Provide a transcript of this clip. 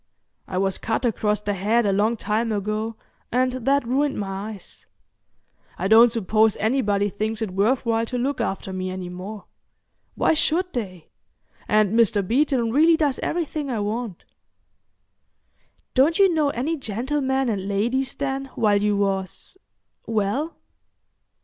"I was cut across the head a long time ago, and that ruined my eyes. I don't suppose anybody thinks it worth while to look after me any more. Why should they?—and Mr. Beeton really does everything I want." "Don't you know any gentlemen and ladies, then, while you was—well?"